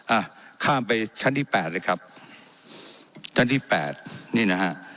อ่ะข้ามไปชั้นที่แปดเลยครับชั้นที่แปดนี่นะฮะ